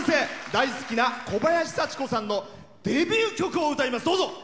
大好きな小林幸子さんのデビュー曲を歌います。